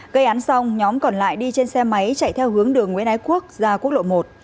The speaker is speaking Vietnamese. gây án xong nhóm còn lại đi trên xe máy chạy theo hướng đường nguyễn ái quốc ra quốc lộ một